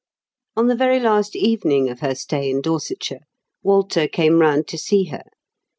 On the very last evening of her stay in Dorsetshire, Walter came round to see her.